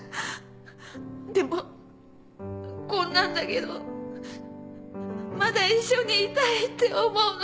でもこんなんだけどまだ一緒にいたいって思うの。